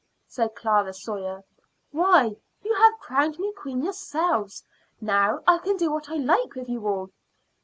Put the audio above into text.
said Clara Sawyer. "Why, you have crowned me queen yourselves. Now I can do what I like with you all."